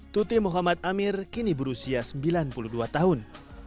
tuti muhammad amir kini berusia sembilan puluh dua tahun